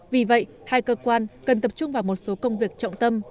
vì vậy hai cơ quan cần tập trung vào một số công việc trọng tâm